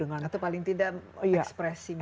atau paling tidak ekspresi mata